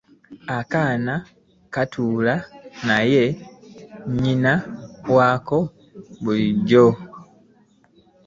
Akaana katuula ne nnyina waako bulijjo.